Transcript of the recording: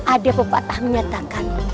ada pepatah menyatakan